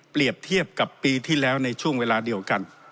เทียบกับปีที่แล้วในช่วงเวลาเดียวกัน